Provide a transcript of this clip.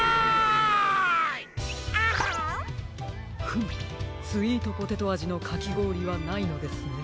フムスイートポテトあじのかきごおりはないのですね。